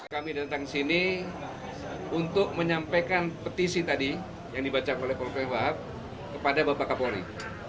kami datang sini untuk menyampaikan petisi tadi yang dibaca oleh polri wahab kepada bapak kapolri